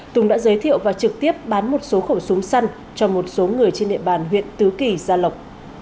tùng đã giới thiệu và trực tiếp bán một số khẩu súng săn cho một số người trên địa bàn huyện tứ kỳ gia lộc